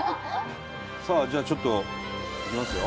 さあじゃあちょっといきますよ。